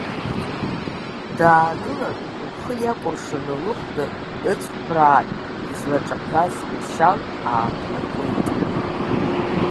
Даагылан, лхы иакәыршаны лыхәда ыҵхәраа излаҿаҳәаз лшьал ааԥлыртлеит.